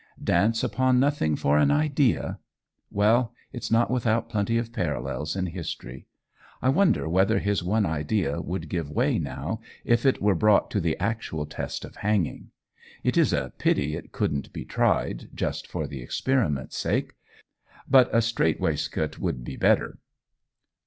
Dance upon nothing for an idea! Well, it's not without plenty of parallels in history! I wonder whether his one idea would give way now, if it were brought to the actual test of hanging! It is a pity it couldn't be tried, just for experiment's sake. But a strait waistcoat would be better."